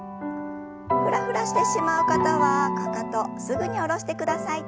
フラフラしてしまう方はかかとすぐに下ろしてください。